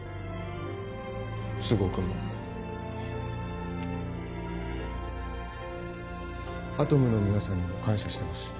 菅生くんもいえアトムの皆さんにも感謝してます